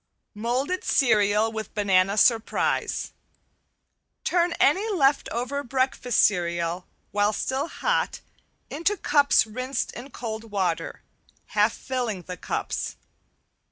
~MOLDED CEREAL WITH BANANA SURPRISE~ Turn any left over breakfast cereal, while still hot, into cups rinsed in cold water, half filling the cups.